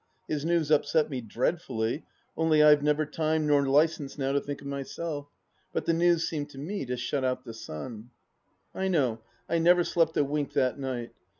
His news upset me dreadfully, only I have never time or licence now to think of myself. But the news seemed to me to shut out the sun. ... I know I never slept a wink that night.